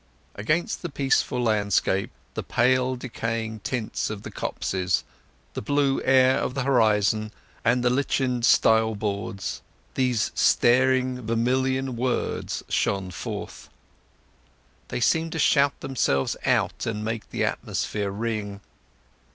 Against the peaceful landscape, the pale, decaying tints of the copses, the blue air of the horizon, and the lichened stile boards, these staring vermilion words shone forth. They seemed to shout themselves out and make the atmosphere ring.